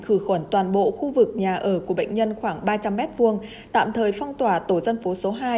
khử khuẩn toàn bộ khu vực nhà ở của bệnh nhân khoảng ba trăm linh m hai tạm thời phong tỏa tổ dân phố số hai